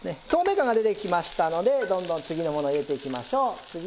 透明感が出てきましたのでどんどん次のものを入れていきましょう。